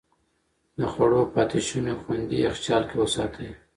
د خوړو پاتې شوني خوندي يخچال کې وساتئ.